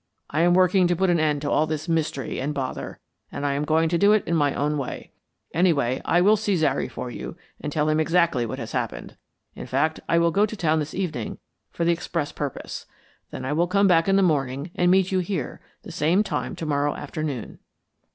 I am working to put an end to all this mystery and bother, and I am going to do it my own way. Anyway, I will see Zary for you and tell him exactly what has happened. In fact, I will go to town this evening for the express purpose. Then I will come back in the morning and meet you here the same time to morrow afternoon."